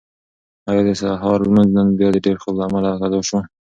ایا د سهار لمونځ نن بیا د ډېر خوب له امله قضا شو؟